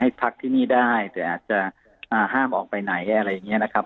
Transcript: พักที่นี่ได้แต่อาจจะห้ามออกไปไหนอะไรอย่างนี้นะครับ